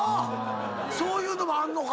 そういうのもあんのか！